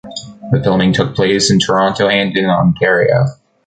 The filming took place in Toronto and in Ontario.